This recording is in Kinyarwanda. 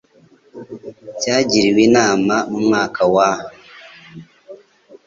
byagiriwe inama mu mwaka wa